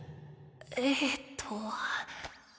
えっと